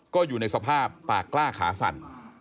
ก็อยู่ในสภาพปากกล้าขาสั่น